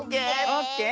オッケー？